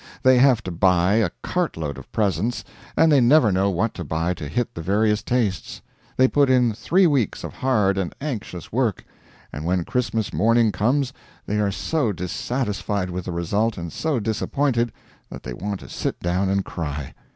They have to buy a cart load of presents, and they never know what to buy to hit the various tastes; they put in three weeks of hard and anxious work, and when Christmas morning comes they are so dissatisfied with the result, and so disappointed that they want to sit down and cry.